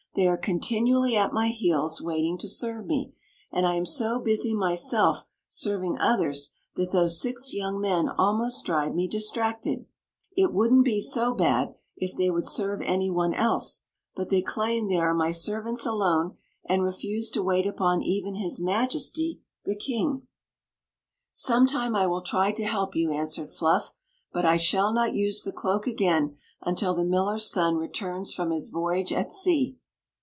They are continually at my heels, waiting to serve me ; and I am so busy myself serv ing others that those six young men almost drive me distracted It would n't be so bad if they would serve any one else ; but they claim they are my ser vants alone, and refuse to wait upon even his Majesty the king." Story of the Magic Cloak " Sometime I will try to help you," answered Fluff; but I shall not use the cloak again until the miller s son retur*is from his voyage at sea."